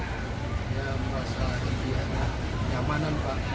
ya masalah kebijakan nyamanan pak